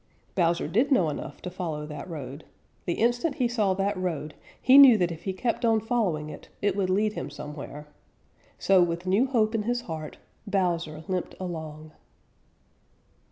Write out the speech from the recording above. Bowser did know enough to follow that road. The instant he saw that road, he knew that if he kept on following it, it would lead him somewhere. So with new hope in his heart, Bowser limped along.